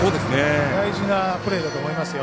大事なプレーだと思いますよ。